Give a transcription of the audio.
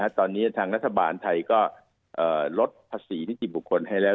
ตอนนี้ทางรัฐบาลไทยก็ลดภาษีนิติบุคคลให้แล้ว